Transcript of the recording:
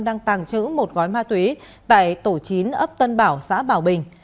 đang tàng trữ một gói ma túy tại tổ chín ấp tân bảo xã bảo bình